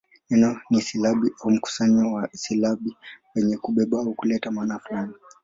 Neno ni silabi au mkusanyo wa silabi wenye kubeba au kuleta maana fulani.